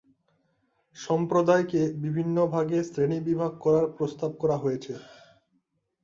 সম্প্রদায়কে বিভিন্ন ভাগে শ্রেণীবিভাগ করার প্রস্তাব করা হয়েছে।